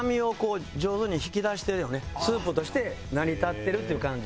スープとして成り立ってるっていう感じ。